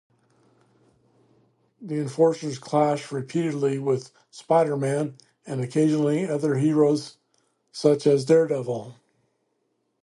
The Enforcers clash repeatedly with Spider-Man and occasionally other heroes such as Daredevil.